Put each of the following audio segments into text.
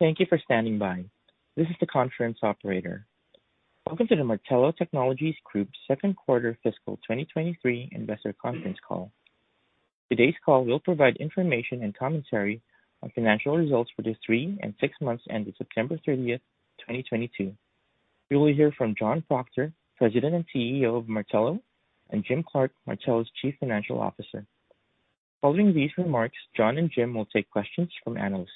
Thank you for standing by. This is the conference operator. Welcome to the Martello Technologies Group Second Quarter Fiscal 2023 Investor Conference Call. Today's call will provide information and commentary on financial results for the three and six months ended September 30, 2022. You will hear from John Proctor, President and CEO of Martello, and Jim Clark, Martello's Chief Financial Officer. Following these remarks, John and Jim will take questions from analysts.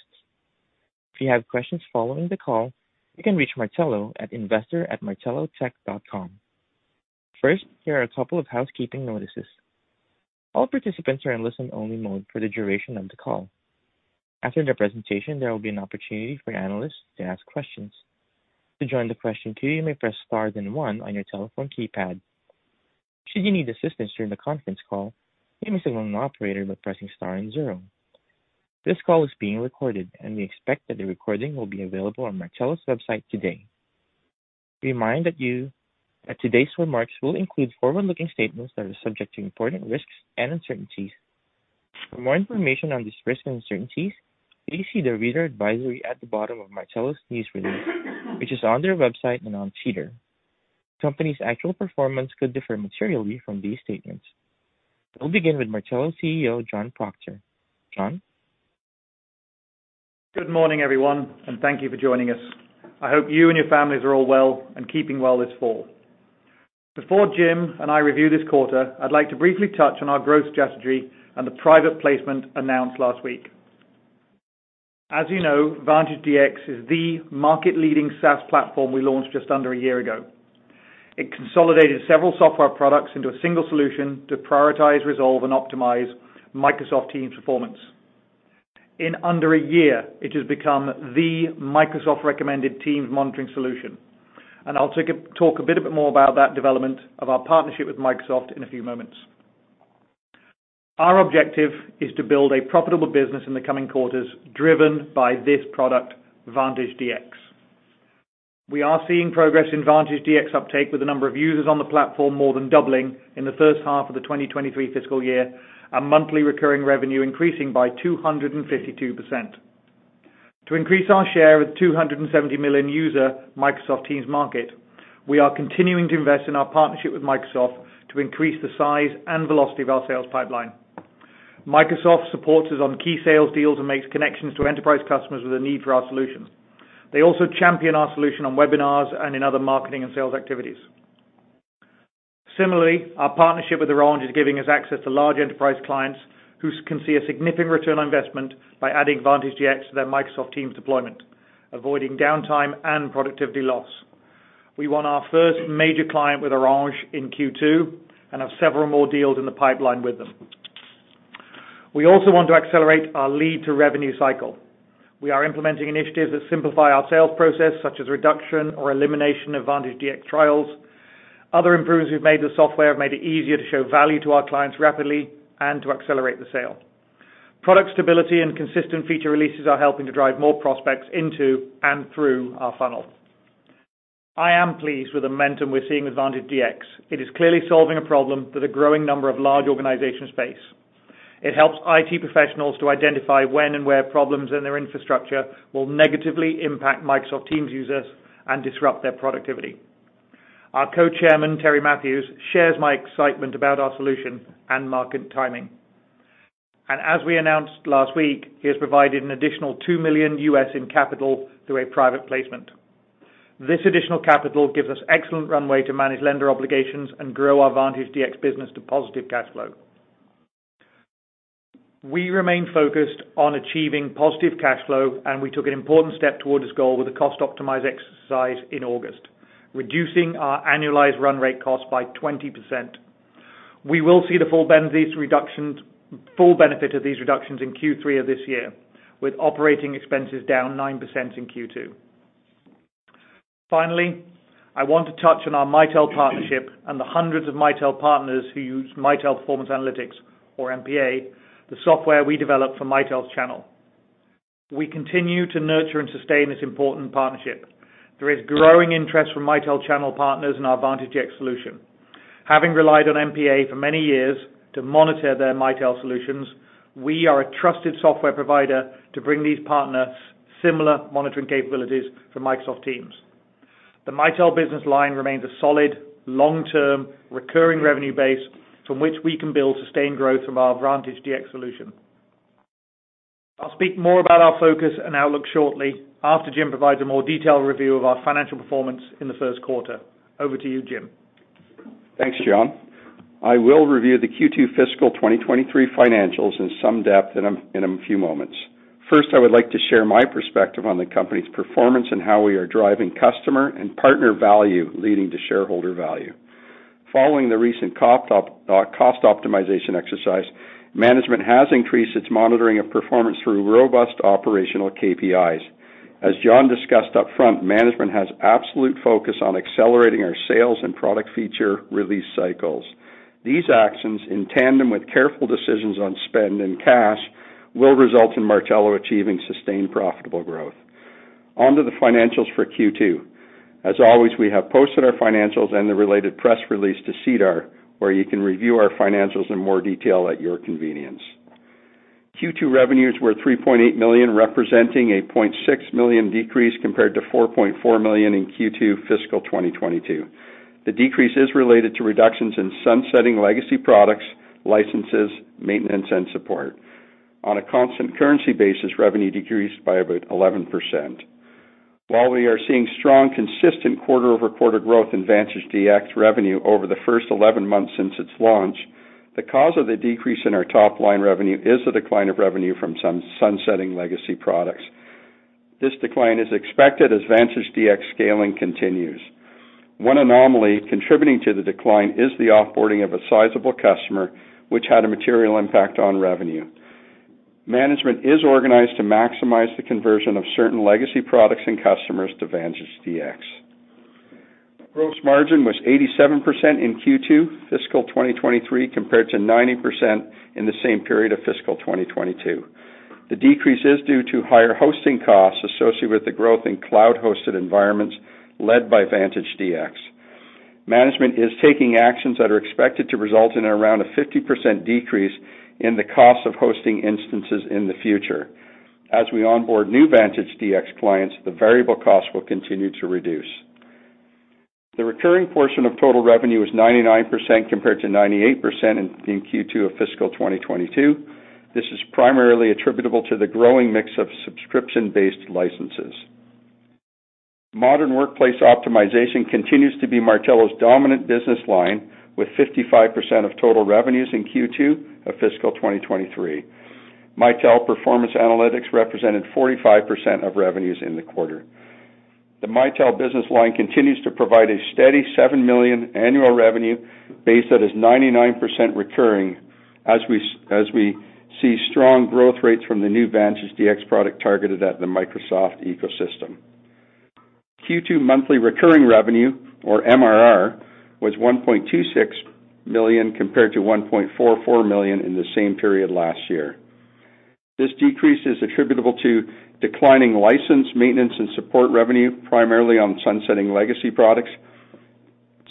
If you have questions following the call, you can reach Martello at investoratmartellotech.com. First, here are a couple of housekeeping notices. All participants are in listen-only mode for the duration of the call. After the presentation, there will be an opportunity for analysts to ask questions. To join the question queue, you may press star, then one on your telephone keypad. Should you need assistance during the conference call, you may signal an operator by pressing star and zero. This call is being recorded, and we expect that the recording will be available on Martello's website today. Remind that you that today's remarks will include forward-looking statements that are subject to important risks and uncertainties. For more information on these risks and uncertainties, please see the reader advisory at the bottom of Martello's news release, which is on their website and on SEDAR. Company's actual performance could differ materially from these statements. We'll begin with Martello's CEO, John Proctor. John. Good morning, everyone. Thank you for joining us. I hope you and your families are all well and keeping well this fall. Before Jim and I review this quarter, I'd like to briefly touch on our growth strategy and the private placement announced last week. As you know, Vantage DX is the market-leading SaaS platform we launched just under a year ago. It consolidated several software products into a single solution to prioritize, resolve, and optimize Microsoft Teams performance. In under a year, it has become the Microsoft-recommended Teams monitoring solution, and I'll talk a bit more about that development of our partnership with Microsoft in a few moments. Our objective is to build a profitable business in the coming quarters, driven by this product, Vantage DX. We are seeing progress in Vantage DX uptake with the number of users on the platform more than doubling in the first half of the 2023 fiscal year, and monthly recurring revenue increasing by 252%. To increase our share of 270 million user Microsoft Teams market, we are continuing to invest in our partnership with Microsoft to increase the size and velocity of our sales pipeline. Microsoft supports us on key sales deals and makes connections to enterprise customers with a need for our solution. They also champion our solution on webinars and in other marketing and sales activities. Similarly, our partnership with Orange is giving us access to large enterprise clients who can see a significant return on investment by adding Vantage DX to their Microsoft Teams deployment, avoiding downtime and productivity loss. We won our first major client with Orange in Q2 and have several more deals in the pipeline with them. We also want to accelerate our lead to revenue cycle. We are implementing initiatives that simplify our sales process, such as reduction or elimination of Vantage DX trials. Other improvements we've made to the software have made it easier to show value to our clients rapidly and to accelerate the sale. Product stability and consistent feature releases are helping to drive more prospects into and through our funnel. I am pleased with the momentum we're seeing with Vantage DX. It is clearly solving a problem that a growing number of large organizations face. It helps IT professionals to identify when and where problems in their infrastructure will negatively impact Microsoft Teams users and disrupt their productivity. Our Co-Chairman, Terry Matthews, shares my excitement about our solution and market timing. As we announced last week, he has provided an additional $2 million in capital through a private placement. This additional capital gives us excellent runway to manage lender obligations and grow our Vantage DX business to positive cash flow. We remain focused on achieving positive cash flow, and we took an important step towards this goal with a cost optimized exercise in August, reducing our annualized run rate cost by 20%. We will see the full benefit of these reductions in Q3 of this year, with operating expenses down 9% in Q2. Finally, I want to touch on our Mitel partnership and the hundreds of Mitel partners who use Mitel Performance Analytics, or MPA, the software we developed for Mitel's channel. We continue to nurture and sustain this important partnership. There is growing interest from Mitel channel partners in our Vantage DX solution. Having relied on MPA for many years to monitor their Mitel solutions, we are a trusted software provider to bring these partners similar monitoring capabilities for Microsoft Teams. The Mitel business line remains a solid, long-term, recurring revenue base from which we can build sustained growth from our Vantage DX solution. I'll speak more about our focus and outlook shortly after Jim provides a more detailed review of our financial performance in the first quarter. Over to you, Jim. Thanks, John. I will review the Q2 fiscal 2023 financials in some depth in a few moments. First, I would like to share my perspective on the company's performance and how we are driving customer and partner value, leading to shareholder value. Following the recent cost optimization exercise, management has increased its monitoring of performance through robust operational KPIs. As John discussed upfront, management has absolute focus on accelerating our sales and product feature release cycles. These actions, in tandem with careful decisions on spend and cash, will result in Martello achieving sustained profitable growth. On to the financials for Q2. As always, we have posted our financials and the related press release to SEDAR, where you can review our financials in more detail at your convenience. Q2 revenues were 3.8 million, representing a 0.6 million decrease compared to 4.4 million in Q2 fiscal 2022. The decrease is related to reductions in Sunsetting Legacy products, licenses, maintenance, and support. On a constant currency basis, revenue decreased by about 11%. While we are seeing strong, consistent quarter-over-quarter growth in Vantage DX revenue over the first 11 months since its launch, the cause of the decrease in our top-line revenue is the decline of revenue from some Sunsetting Legacy products. This decline is expected as Vantage DX scaling continues. One anomaly contributing to the decline is the off-boarding of a sizable customer, which had a material impact on revenue. Management is organized to maximize the conversion of certain Legacy products and customers to Vantage DX. Gross margin was 87% in Q2 fiscal 2023, compared to 90% in the same period of fiscal 2022. The decrease is due to higher hosting costs associated with the growth in cloud-hosted environments led by Vantage DX. Management is taking actions that are expected to result in around a 50% decrease in the cost of hosting instances in the future. As we onboard new Vantage DX clients, the variable costs will continue to reduce. The recurring portion of total revenue is 99%, compared to 98% in Q2 of fiscal 2022. This is primarily attributable to the growing mix of subscription-based licenses. Modern workplace optimization continues to be Martello's dominant business line, with 55% of total revenues in Q2 of fiscal 2023. Mitel Performance Analytics represented 45% of revenues in the quarter. The Mitel business line continues to provide a steady 7 million annual revenue base that is 99% recurring, as we see strong growth rates from the new Vantage DX product targeted at the Microsoft ecosystem. Q2 monthly recurring revenue, or MRR, was 1.26 million, compared to 1.44 million in the same period last year. This decrease is attributable to declining license, maintenance, and support revenue, primarily on Sunsetting Legacy products,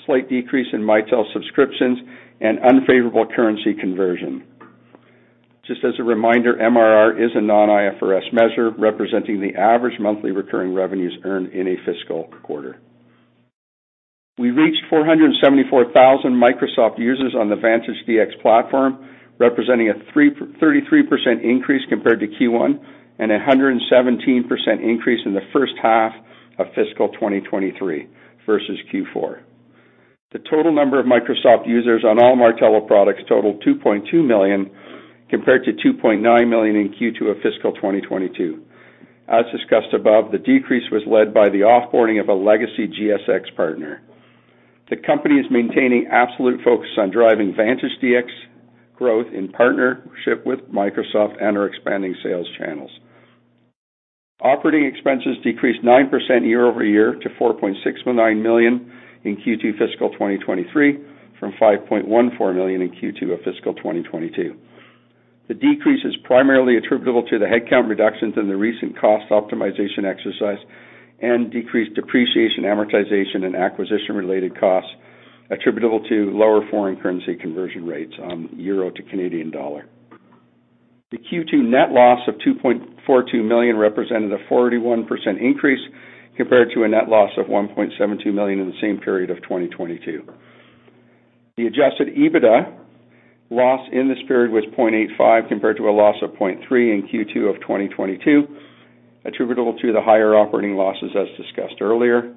slight decrease in Mitel subscriptions, and unfavorable currency conversion. Just as a reminder, MRR is a non-IFRS measure representing the average monthly recurring revenues earned in a fiscal quarter. We reached 474,000 Microsoft users on the Vantage DX platform, representing a 33% increase compared to Q1, and a 117% increase in the first half of fiscal 2023 vs Q4. The total number of Microsoft users on all Martello products totaled 2.2 million, compared to 2.9 million in Q2 of fiscal 2022. As discussed above, the decrease was led by the off-boarding of a Legacy GSX partner. The company is maintaining absolute focus on driving Vantage DX growth in partnership with Microsoft and our expanding sales channels. Operating expenses decreased 9% year-over-year to 4.69 million in Q2 fiscal 2023 from 5.14 million in Q2 of fiscal 2022. The decrease is primarily attributable to the headcount reductions in the recent cost optimization exercise and decreased depreciation, amortization, and acquisition-related costs attributable to lower foreign currency conversion rates on euro to Canadian dollar. The Q2 net loss of 2.42 million represented a 41% increase compared to a net loss of 1.72 million in the same period of 2022. The Adjusted EBITDA loss in this period was 0.85 compared to a loss of 0.3 in Q2 of 2022, attributable to the higher operating losses, as discussed earlier.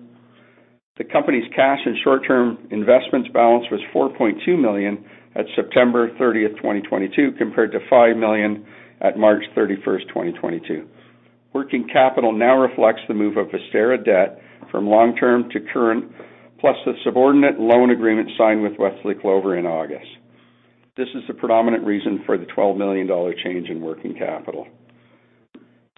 The company's cash and short-term investments balance was 4.2 million at September 30th, 2022, compared to 5 million at March 31st, 2022. Working capital now reflects the move of Vistara debt from long-term to current, plus the subordinate loan agreement signed with Wesley Clover in August. This is the predominant reason for the 12 million dollar change in working capital.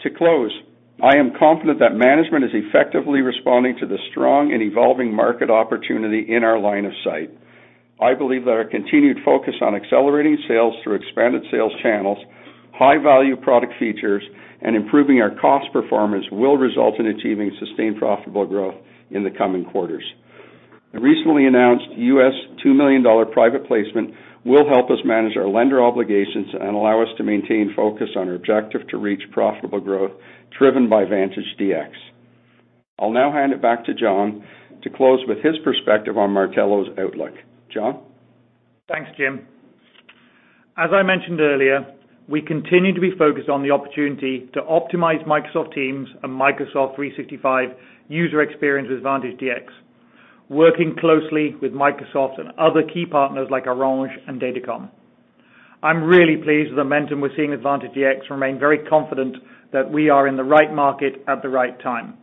To close, I am confident that management is effectively responding to the strong and evolving market opportunity in our line of sight. I believe that our continued focus on accelerating sales through expanded sales channels, high-value product features, and improving our cost performance will result in achieving sustained profitable growth in the coming quarters. The recently announced $2 million private placement will help us manage our lender obligations and allow us to maintain focus on our objective to reach profitable growth driven by Vantage DX. I'll now hand it back to John to close with his perspective on Martello's outlook. John? Thanks, Jim. As I mentioned earlier, we continue to be focused on the opportunity to optimize Microsoft Teams and Microsoft 365 user experience with Vantage DX, working closely with Microsoft and other key partners like Orange and Datacom. I'm really pleased with the momentum we're seeing with Vantage DX and remain very confident that we are in the right market at the right time.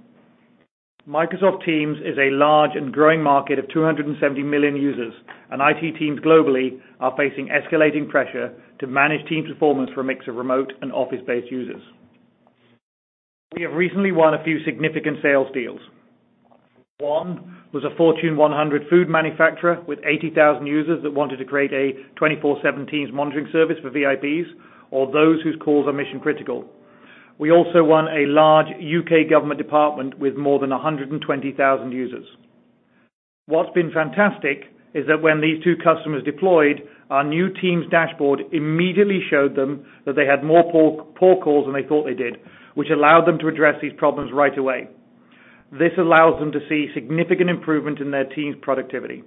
Microsoft Teams is a large and growing market of 270 million users, and IT teams globally are facing escalating pressure to manage Teams performance for a mix of remote and office-based users. We have recently won a few significant sales deals. One was a Fortune 100 food manufacturer with 80,000 users that wanted to create a 24/7 Teams monitoring service for VIPs or those whose calls are mission critical. We also won a large U.K. government department with more than 120,000 users. What's been fantastic is that when these two customers deployed, our new Teams dashboard immediately showed them that they had more poor calls than they thought they did, which allowed them to address these problems right away. This allows them to see significant improvement in their team's productivity.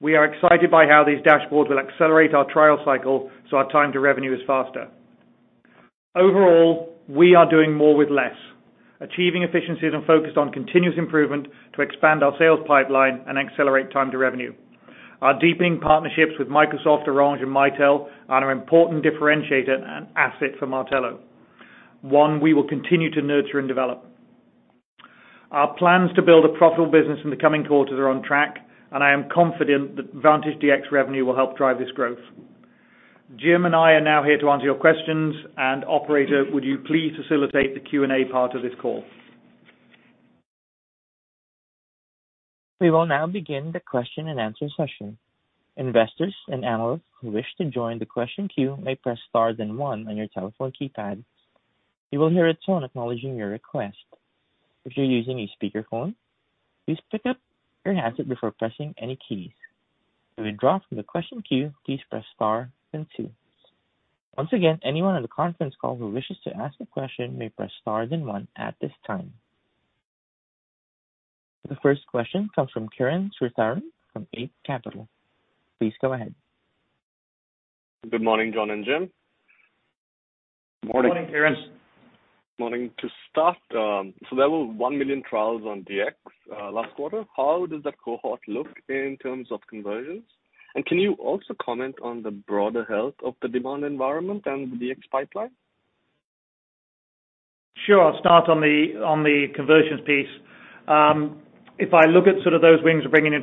We are excited by how these dashboards will accelerate our trial cycle so our time to revenue is faster. Overall, we are doing more with less. Achieving efficiencies and focused on continuous improvement to expand our sales pipeline and accelerate time to revenue. Our deepening partnerships with Microsoft, Orange and Mitel are an important differentiator and asset for Martello, one we will continue to nurture and develop. Our plans to build a profitable business in the coming quarters are on track, and I am confident that Vantage DX revenue will help drive this growth. Jim and I are now here to answer your questions, and operator, would you please facilitate the Q&A part of this call? We will now begin the question and answer session. Investors and analysts who wish to join the question queue may press star then one on your telephone keypad. You will hear a tone acknowledging your request. If you're using a speakerphone, please pick up your handset before pressing any keys. To withdraw from the question queue, please press star then two. Once again, anyone on the conference call who wishes to ask a question may press star then one at this time. The first question comes from Christian Sgro from Eight Capital. Please go ahead. Good morning, John and Jim. Morning. Morning, Christian. Morning. To start, there were 1 million trials on DX last quarter. How does that cohort look in terms of conversions? Can you also comment on the broader health of the demand environment and the DX pipeline? Sure. I'll start on the, on the conversions piece. If I look at sort of those wings we're bringing in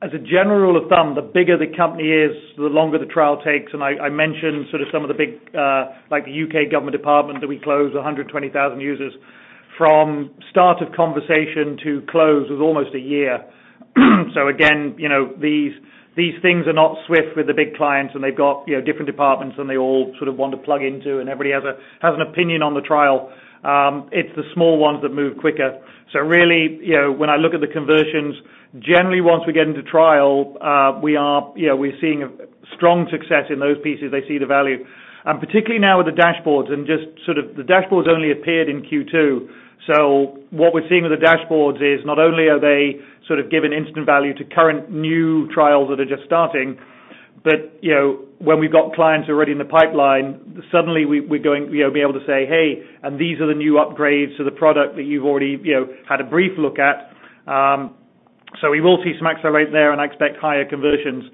trial, as a general rule of thumb, the bigger the company is, the longer the trial takes. I mentioned sort of some of the big, like the U.K. government department that we closed 120,000 users. From start of conversation to close was almost a year. Again, you know, these things are not swift with the big clients and they've got, you know, different departments and they all sort of want to plug into and everybody has a, has an opinion on the trial. It's the small ones that move quicker. Really, you know, when I look at the conversions, generally once we get into trial, we are, you know, we're seeing a strong success in those pieces. They see the value. Particularly now with the dashboards and just sort of the dashboards only appeared in Q2. What we're seeing with the dashboards is not only are they sort of giving instant value to current new trials that are just starting, but, you know, when we've got clients already in the pipeline, suddenly we're going, you know, be able to say, "Hey, and these are the new upgrades to the product that you've already, you know, had a brief look at." We will see some accelerate there and I expect higher conversions.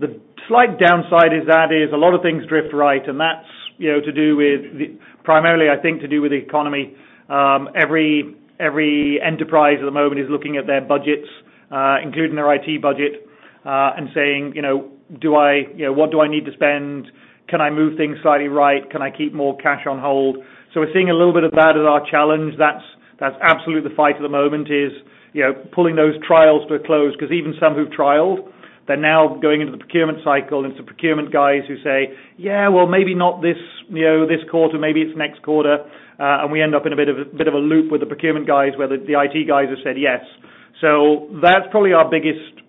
The slight downside is that is a lot of things drift right, and that's, you know, to do with the primarily, I think, to do with the economy. Every enterprise at the moment is looking at their budgets, including their IT budget, and saying, you know, do I, you know, what do I need to spend? Can I move things slightly right? Can I keep more cash on hold? We're seeing a little bit of that as our challenge. That's absolutely the fight at the moment is, you know, pulling those trials to a close, because even some who've trialed, they're now going into the procurement cycle. It's the procurement guys who say, "Yeah, well, maybe not this, you know, this quarter, maybe it's next quarter." We end up in a bit of a loop with the procurement guys, whether the IT guys have said yes. That's probably our biggest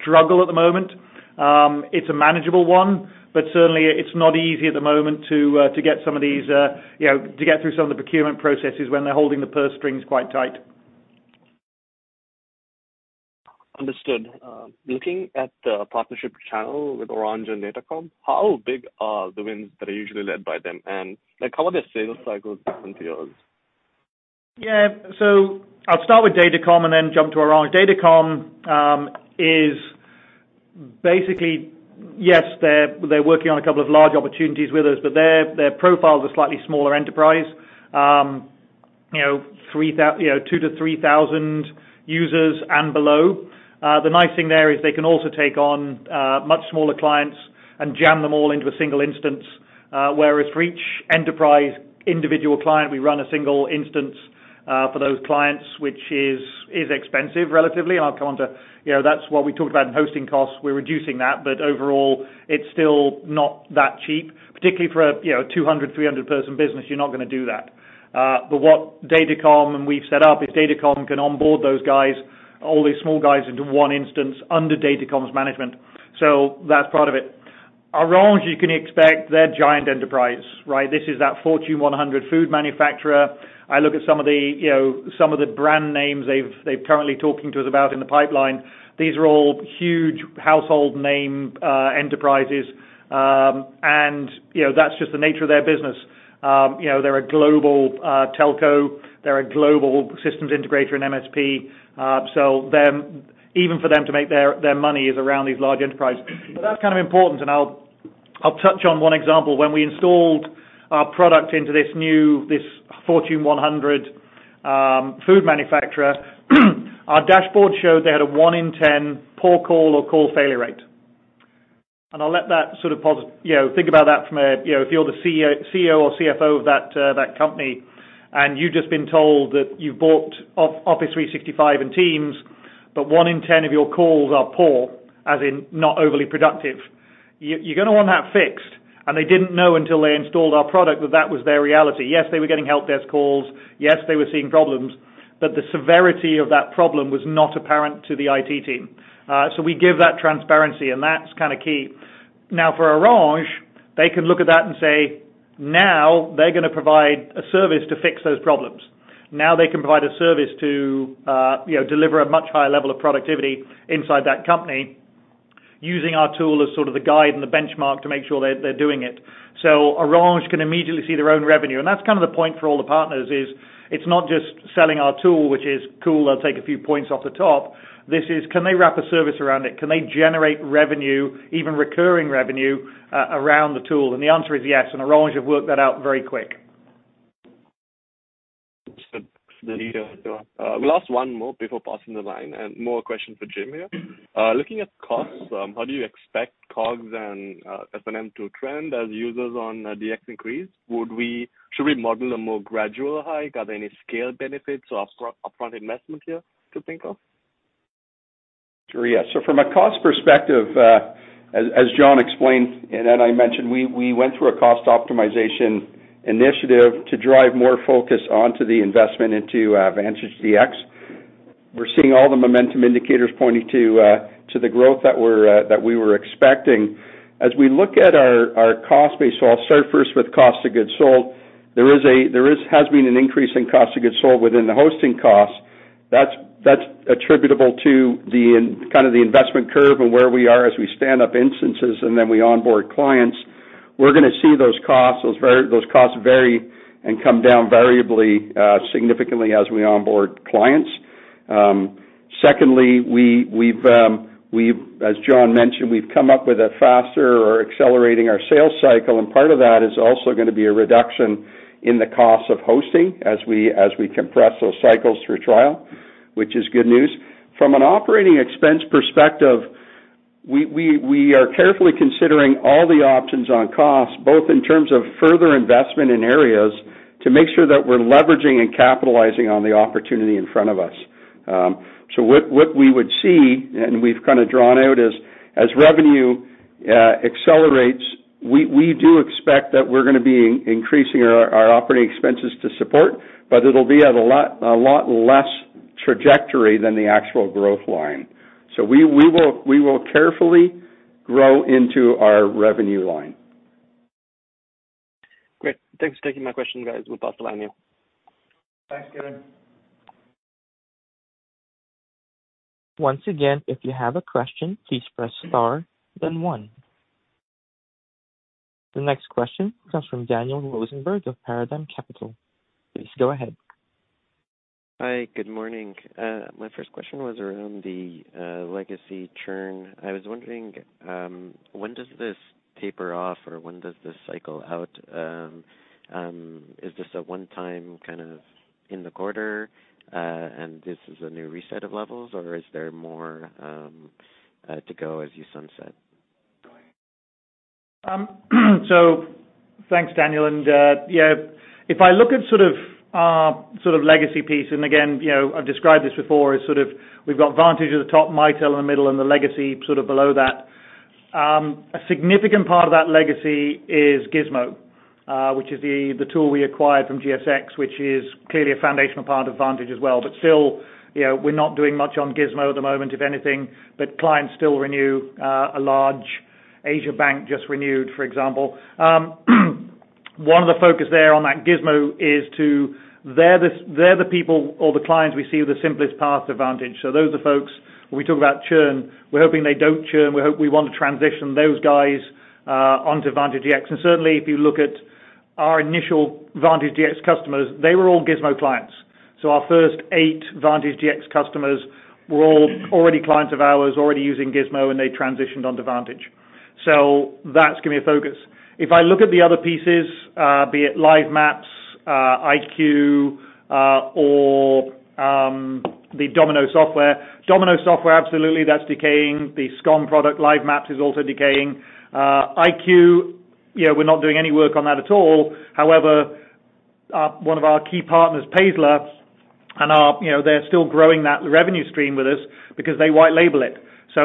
struggle at the moment. It's a manageable one, but certainly it's not easy at the moment to get some of these, you know, to get through some of the procurement processes when they're holding the purse strings quite tight. Understood. Looking at the partnership channel with Orange and Datacom, how big are the wins that are usually led by them and, like, how are their sales cycles different to yours? Yeah. I'll start with Datacom and then jump to Orange. Datacom is basically, yes, they're working on a couple of large opportunities with us, but their profiles are slightly smaller enterprise. you know, 2,000-3,000 users and below. The nice thing there is they can also take on much smaller clients and jam them all into a single instance. Whereas for each enterprise individual client, we run a single instance for those clients, which is expensive relatively. I'll come onto, you know, that's what we talked about in hosting costs. We're reducing that. Overall, it's still not that cheap, particularly for, you know, 200, 300 person business, you're not gonna do that. What Datacom and we've set up is Datacom can onboard those guys, all these small guys into one instance under Datacom's management. That's part of it. Orange, you can expect they're giant enterprise, right? This is that Fortune 100 food manufacturer. I look at some of the, you know, some of the brand names they've currently talking to us about in the pipeline. These are all huge household name enterprises. You know, that's just the nature of their business. You know, they're a global telco. They're a global systems integrator in MSP. Them even for them to make their money is around these large enterprise. That's kind of important, and I'll touch on one example. When we installed our product into this Fortune 100 food manufacturer, our dashboard showed they had a one in 10 poor call or call failure rate. I'll let that sort of you know, think about that from a, you know, if you're the CEO or CFO of that company, you've just been told that you've bought Office 365 and Teams, but one in 10 of your calls are poor, as in not overly productive, you're gonna want that fixed. They didn't know until they installed our product that that was their reality. Yes, they were getting help desk calls. Yes, they were seeing problems, but the severity of that problem was not apparent to the IT team. We give that transparency, and that's kind of key. For Orange, they can look at that and say, now they're going to provide a service to fix those problems. They can provide a service to, you know, deliver a much higher level of productivity inside that company using our tool as sort of the guide and the benchmark to make sure they're doing it. Orange can immediately see their own revenue. That's kind of the point for all the partners is it's not just selling our tool, which is cool, I'll take a few points off the top. This is, can they wrap a service around it? Can they generate revenue, even recurring revenue, around the tool? The answer is yes. Orange have worked that out very quick. We'll ask one more before passing the line, and more question for Jim here. Looking at costs, how do you expect COGS and S&M to trend as users on DX increase? Should we model a more gradual hike? Are there any scale benefits or upfront investments here to think of? Sure, yeah. From a cost perspective, as John explained, and then I mentioned, we went through a cost optimization initiative to drive more focus onto the investment into Vantage DX. We're seeing all the momentum indicators pointing to the growth that we're that we were expecting. As we look at our cost base, I'll start first with cost of goods sold. There has been an increase in cost of goods sold within the hosting costs. That's attributable to the kind of the investment curve and where we are as we stand up instances and then we onboard clients. We're gonna see those costs, those costs vary and come down variably significantly as we onboard clients. Secondly, as John mentioned, we've come up with a faster or accelerating our sales cycle, and part of that is also gonna be a reduction in the cost of hosting as we compress those cycles through trial, which is good news. From an operating expense perspective, we are carefully considering all the options on costs, both in terms of further investment in areas to make sure that we're leveraging and capitalizing on the opportunity in front of us. What we would see, and we've kinda drawn out, is as revenue accelerates, we do expect that we're gonna be increasing our operating expenses to support, but it'll be at a lot less trajectory than the actual growth line. We will carefully grow into our revenue line. Great. Thanks for taking my question, guys. We'll pass the line now. Thanks, Christian. Once again, if you have a question, please press star then one. The next question comes from Daniel Rosenberg of Paradigm Capital. Please go ahead. Hi, good morning. My first question was around the Legacy churn. I was wondering, when does this taper off, or when does this cycle out? Is this a one-time kind of in the quarter, and this is a new reset of levels, or is there more to go as you sunset? Thanks, Daniel. Yeah, if I look at sort of our sort of Legacy piece, and again, you know, I've described this before as sort of we've got Vantage at the top, Mitel in the middle, and the Legacy sort of below that. A significant part of that Legacy is Gizmo, which is the tool we acquired from GSX, which is clearly a foundational part of Vantage as well. Still, you know, we're not doing much on Gizmo at the moment, if anything, but clients still renew. A large Asia bank just renewed, for example. One of the focus there on that Gizmo is to. They're the people or the clients we see as the simplest path to Vantage. Those are folks, when we talk about churn, we're hoping they don't churn. We hope we want to transition those guys onto Vantage DX. Certainly, if you look at our initial Vantage DX customers, they were all Gizmo clients. Our first eight Vantage DX customers were all already clients of ours, already using Gizmo, and they transitioned onto Vantage. That's gonna be a focus. If I look at the other pieces, be it Live Maps, iQ, or the Domino software. Domino software, absolutely, that's decaying. The SCOM product, Live Maps, is also decaying. iQ, you know, we're not doing any work on that at all. However, one of our key partners, Paessler, and, you know, they're still growing that revenue stream with us because they white label it.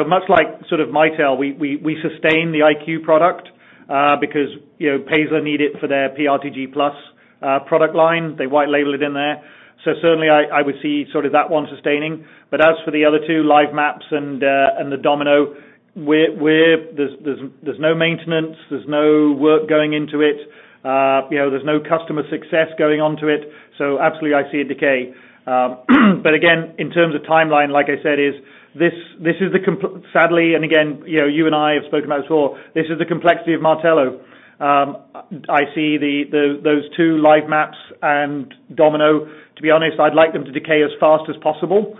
Much like sort of Mitel, we sustain the iQ product because, you know, Paessler need it for their PRTG Plus product line. They white label it in there. Certainly I would see sort of that one sustaining. As for the other two, Live Maps and the Domino, we're, there's no maintenance, there's no work going into it, you know, there's no customer success going on to it, so absolutely I see a decay. Again, in terms of timeline, like I said, sadly, and again, you know, you and I have spoken about this before, this is the complexity of Martello. I see those two, Live Maps and Domino, to be honest, I'd like them to decay as fast as possible,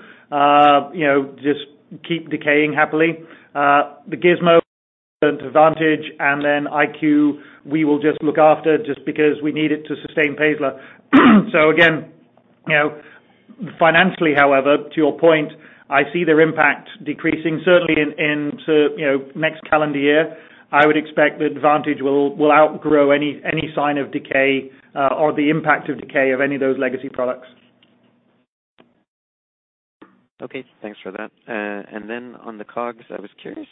you know, just keep decaying happily. The Gizmo advantage, and then iQ, we will just look after just because we need it to sustain Paessler. You know, financially, however, to your point, I see their impact decreasing certainly in so, you know, next calendar year, I would expect that Vantage will outgrow any sign of decay, or the impact of decay of any of those Legacy products. Okay. Thanks for that. Then on the COGS, I was curious,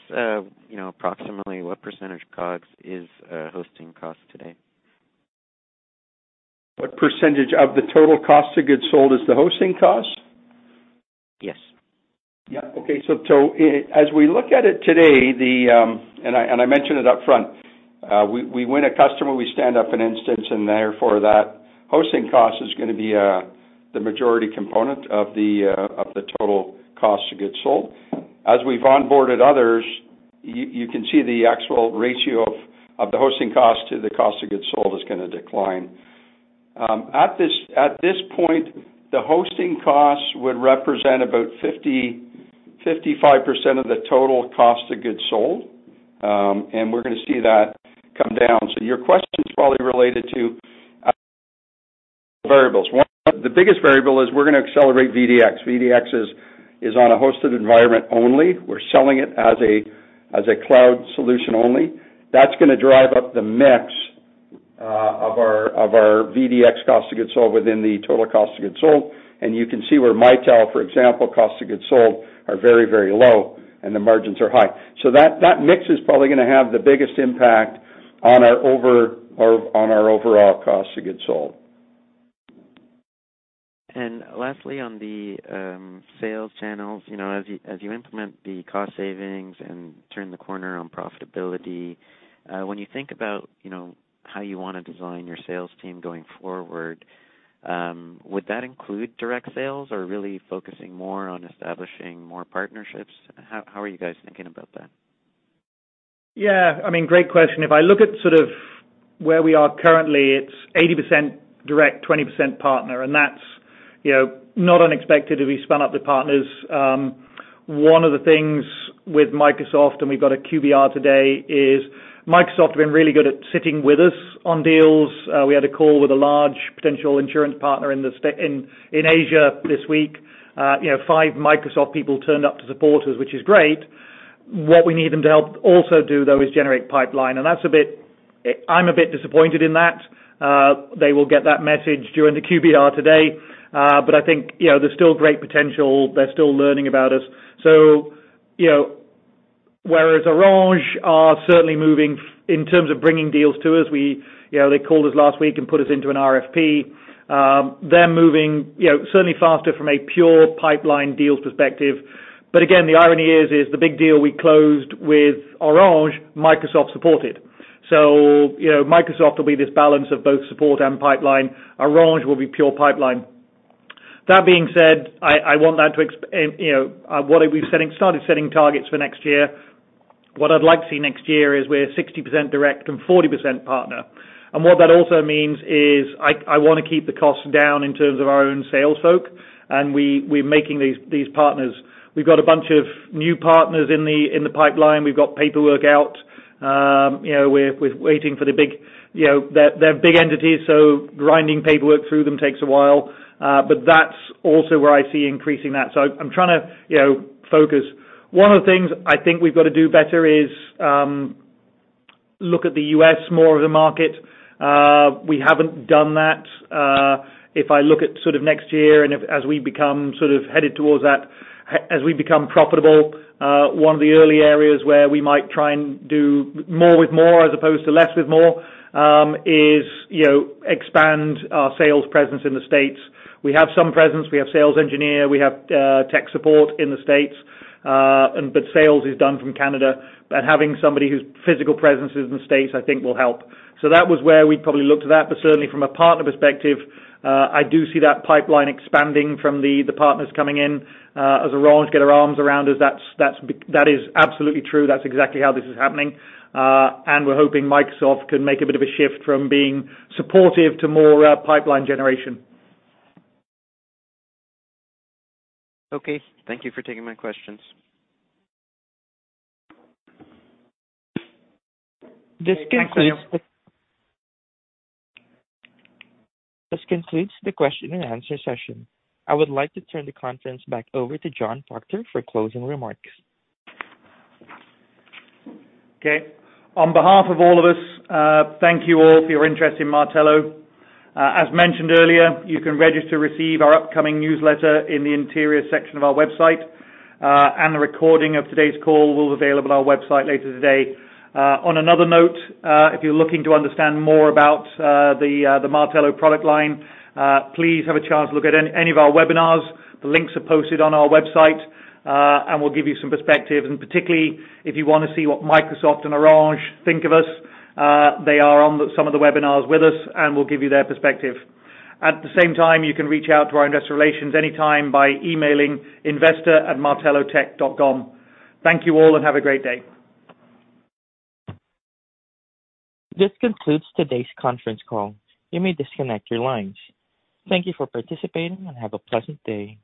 you know, approximately what % COGS is hosting cost today? What % of the total cost of goods sold is the hosting cost? Yes. As we look at it today, and I mentioned it upfront, we win a customer, we stand up an instance, and therefore that hosting cost is gonna be the majority component of the total cost of goods sold. As we've onboarded others, you can see the actual ratio of the hosting cost to the cost of goods sold is gonna decline. At this point, the hosting costs would represent about 50%-55% of the total cost of goods sold, and we're gonna see that come down. Your question is probably related to variables. The biggest variable is we're gonna accelerate VDX. VDX is on a hosted environment only. We're selling it as a cloud solution only. That's gonna drive up the mix, of our VDX cost of goods sold within the total cost of goods sold. You can see where Mitel, for example, cost of goods sold are very, very low and the margins are high. That, that mix is probably gonna have the biggest impact on our overall cost of goods sold. Lastly, on the sales channels, you know, as you implement the cost savings and turn the corner on profitability, when you think about, you know, how you wanna design your sales team going forward, would that include direct sales or really focusing more on establishing more partnerships? How are you guys thinking about that? Yeah. I mean, great question. If I look at sort of where we are currently, it's 80% direct, 20% partner, and that's, you know, not unexpected if we spun up the partners. One of the things with Microsoft, and we've got a QBR today, is Microsoft have been really good at sitting with us on deals. We had a call with a large potential insurance partner in Asia this week. You know, five Microsoft people turned up to support us, which is great. What we need them to help also do, though, is generate pipeline. I'm a bit disappointed in that. They will get that message during the QBR today. I think, you know, there's still great potential. They're still learning about us. You know, whereas Orange are certainly moving in terms of bringing deals to us. You know, they called us last week and put us into an RFP. They're moving, you know, certainly faster from a pure pipeline deals perspective. Again, the irony here is the big deal we closed with Orange, Microsoft supported. You know, Microsoft will be this balance of both support and pipeline. Orange will be pure pipeline. That being said, I want that to and, you know, started setting targets for next year. What I'd like to see next year is we're 60% direct and 40% partner. What that also means is I wanna keep the costs down in terms of our own sales folk, and we're making these partners. We've got a bunch of new partners in the, in the pipeline. We've got paperwork out. You know, we're waiting for the big, you know, they're big entities, so grinding paperwork through them takes a while, but that's also where I see increasing that. I'm trying to, you know, focus. One of the things I think we've got to do better is, look at the U.S. more of the market. We haven't done that. If I look at sort of next year and if as we become sort of headed towards that, as we become profitable, one of the early areas where we might try and do more with more as opposed to less with more, is, you know, expand our sales presence in the States. We have some presence. We have sales engineer, we have tech support in the States, and, but sales is done from Canada. Having somebody whose physical presence is in the States, I think will help. That was where we probably looked at that. Certainly from a partner perspective, I do see that pipeline expanding from the partners coming in, as Orange get their arms around us. That is absolutely true. That's exactly how this is happening. We're hoping Microsoft can make a bit of a shift from being supportive to more pipeline generation. Okay. Thank you for taking my questions. Okay. Thanks, Daniel. This concludes the question and answer session. I would like to turn the conference back over to John Proctor for closing remarks. Okay. On behalf of all of us, thank you all for your interest in Martello. As mentioned earlier, you can register to receive our upcoming newsletter in the interior section of our website. The recording of today's call will be available on our website later today. On another note, if you're looking to understand more about the Martello product line, please have a chance to look at any of our webinars. The links are posted on our website, and we'll give you some perspective. Particularly, if you wanna see what Microsoft and Orange think of us, they are on some of the webinars with us, and we'll give you their perspective. At the same time, you can reach out to our investor relations anytime by emailing investor@martellotech.com. Thank you all and have a great day. This concludes today's conference call. You may disconnect your lines. Thank you for participating and have a pleasant day.